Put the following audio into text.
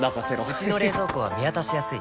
うちの冷蔵庫は見渡しやすい